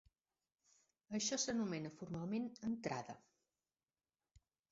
Això s'anomena formalment entrada.